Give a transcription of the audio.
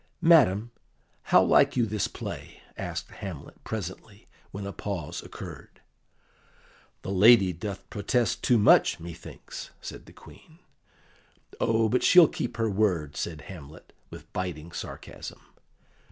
"Madam, how like you this play?" asked Hamlet presently, when a pause occurred. "The lady doth protest too much, methinks," said the Queen. "Oh, but she'll keep her word," said Hamlet, with biting sarcasm.